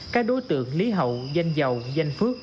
các đối tượng lý hậu danh dầu danh phước